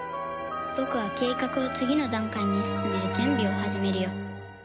僕は計画を次の段階に進める準備を始めるよ。